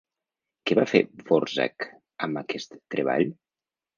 Què va fer Dvořák amb aquest treball?